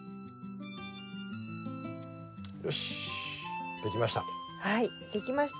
よし出来ました。